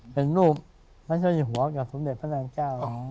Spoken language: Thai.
เป็นรูปพระเจ้าอยู่หัวกับสมเด็จพระนางเจ้า